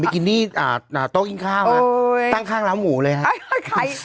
อันนี้ต้องกินข้าวนะตั้งข้างร้ำหมูเลยครับ